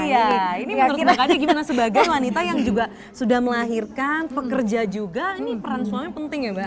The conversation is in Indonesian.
iya ini menurut kita gimana sebagian wanita yang juga sudah melahirkan pekerja juga ini peran suami penting ya mbak